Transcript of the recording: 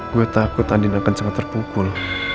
gue takut andin akan sangat terpukul